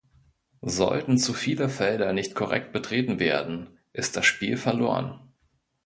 Sollten zu viele Felder nicht korrekt betreten werden, ist das Spiel verloren.